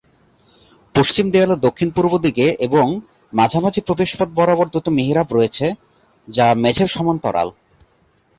পশ্চিম দেয়ালের দক্ষিণ-পূর্ব দিকে এবং মাঝামাঝি প্রবেশপথ বরাবর দুটো মিহরাব রয়েছে যা মেঝের সমান্তরাল।